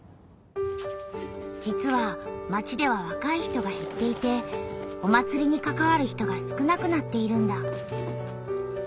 実は町ではわかい人がへっていてお祭りにかかわる人が少なくなっているんだ。